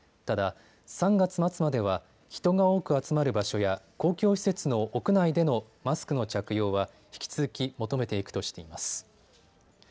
ただ３月末までは人が多く集まる場所や、公共施設の屋内でのマスクの着用は引き続き求めていくとしています。